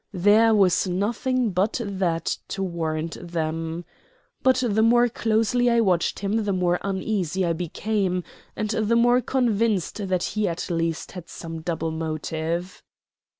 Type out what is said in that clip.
There was nothing but that to warrant them. But the more closely I watched him the more uneasy I became, and the more convinced that he at least had some double motive.